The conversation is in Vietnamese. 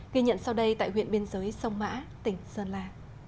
ghi nhận sau đây tại huyện biên giới sông mã tỉnh sơn la